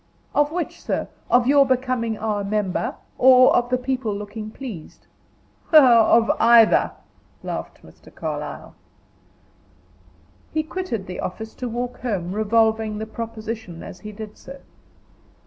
"Of which, sir of your becoming our member, or of the people looking pleased?" "Of either," laughed Mr. Carlyle. He quitted the office to walk home, revolving the proposition as he did so.